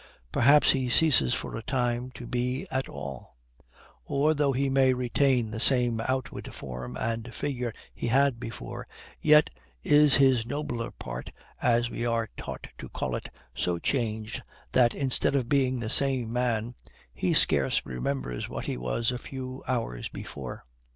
Perhaps he ceases for a time to be at all; or, though he may retain the same outward form and figure he had before, yet is his nobler part, as we are taught to call it, so changed, that, instead of being the same man, he scarce remembers what he was a few hours before.